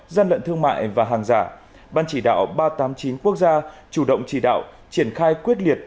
gian lận thương mại và hàng giả ban chỉ đạo ba trăm tám mươi chín quốc gia chủ động chỉ đạo triển khai quyết liệt